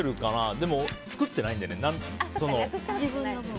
でも作ってないんだよね。